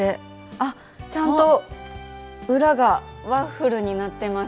あっちゃんと裏がワッフルになってます。